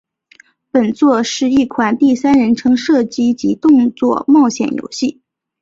本作是一款第三人称射击及动作冒险游戏。